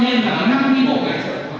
thế cho nên là nó nắm cái bộ này